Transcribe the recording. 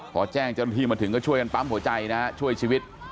พอแจ้งเจ้าหน้าที่มาถึงก็ช่วยกันปั๊มหัวใจนะฮะช่วยชีวิต